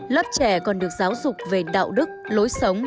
lớp trẻ còn được giáo dục về đạo đức lối sống